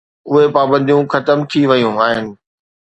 اهي پابنديون ختم ٿي ويون آهن.